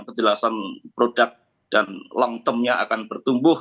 kejelasan produk dan long termnya akan bertumbuh